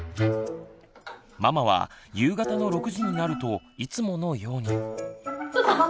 ママは夕方の６時になるといつものように。